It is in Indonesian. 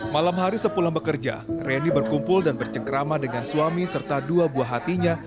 malam hari sepulang bekerja reni berkumpul dan bercengkrama dengan suami serta dua buah hatinya